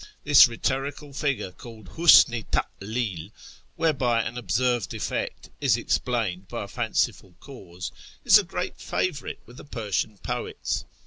This rhetorical figure (called " husn i talil"), whereljy an observed effect is explained by a fanciful cause, is a great favourite with the Persian poets.